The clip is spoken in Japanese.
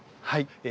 はい。